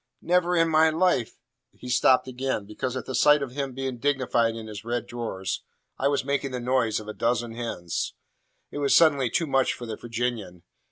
"Never in my life " He stopped again, because, at the sight of him being dignified in his red drawers, I was making the noise of a dozen hens. It was suddenly too much for the Virginian.